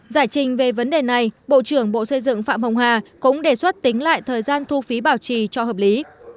giải trình về vấn đề này bộ trưởng bộ xây dựng phạm hồng hà cũng đề xuất tính lại thời gian thu phí bảo trì cho hợp lý